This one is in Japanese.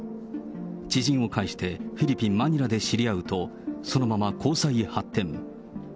知人を介してフィリピン・マニラで知り合うと、そのまま交際へ発展。